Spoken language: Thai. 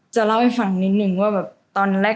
จะเล่าไปฟังนิดหนึ่งว่าตอนแรก